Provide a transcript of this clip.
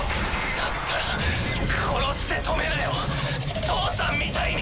だったら殺して止めなよ父さんみたいに。